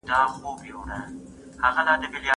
مرسته وکړه؟